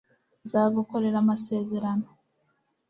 nzagukorera amasezerano